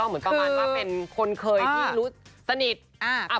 เหมือนประมาณว่าเป็นคนเคยที่รู้สนิท